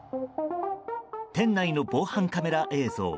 店内の防犯カメラ映像。